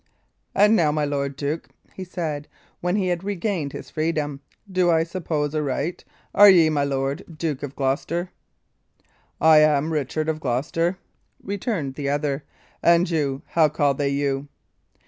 "And now, my lord duke," he said, when he had regained his freedom, "do I suppose aright? Are ye my Lord Duke of Gloucester?" "I am Richard of Gloucester," returned the other. "And you how call they you?"